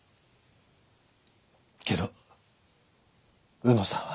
けど卯之さんは。